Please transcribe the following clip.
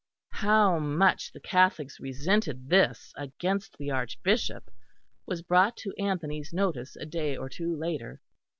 How much the Catholics resented this against the Archbishop was brought to Anthony's notice a day or two later.